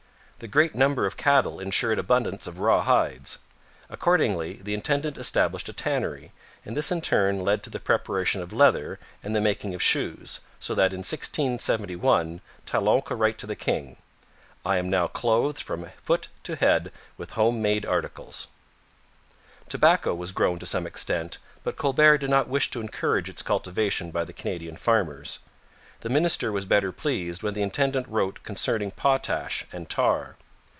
The great number of cattle ensured an abundance of raw hides. Accordingly the intendant established a tannery, and this in turn led to the preparation of leather and the making of shoes; so that in 1671 Talon could write to the king: 'I am now clothed from foot to head with home made articles.' Tobacco was grown to some extent, but Colbert did not wish to encourage its cultivation by the Canadian farmers. The minister was better pleased when the intendant wrote concerning potash and tar.